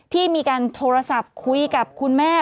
ที่มีการโทรศัพท์คุยกับคุณแม่